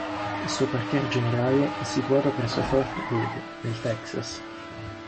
Il suo quartier generale è situato presso Fort Hood, nel Texas.